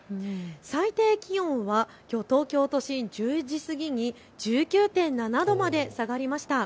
最低気温は東京都心、１０時過ぎに１９．７度まで下がりました。